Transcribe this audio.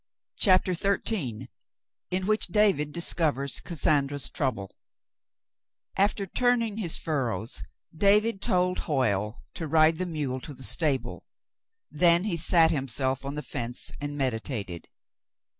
CHAPTER XIII IN WHICH DAVID DISCOVERS CASSANDRA's TROUBLE After turning his furrows, David told Hoyle to ride the mule to the stable, then he sat himself on the fence, and meditated.